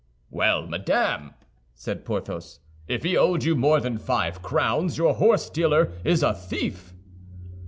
"Well, madame," said Porthos, "if he owed you more than five crowns, your horsedealer is a thief."